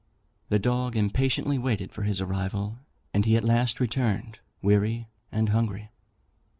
The dog impatiently waited for his arrival, and he at last returned, weary and hungry.